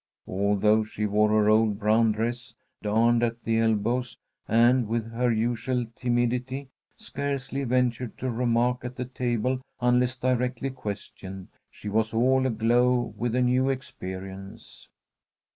Although she wore her old brown dress, darned at the elbows, and, with her usual timidity, scarcely ventured a remark at the table unless directly questioned, she was all aglow with the new experience.